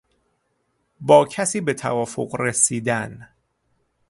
با کسی به توافق رسیدن